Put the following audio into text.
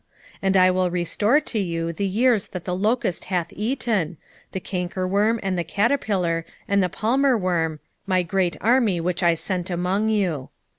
2:25 And I will restore to you the years that the locust hath eaten, the cankerworm, and the caterpiller, and the palmerworm, my great army which I sent among you.